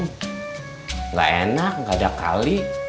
gak enak gak ada kali